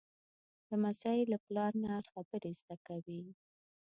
لمسی له پلار نه خبرې زده کوي.